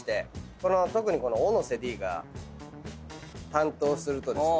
特にこの小野瀬Ｄが担当するとですね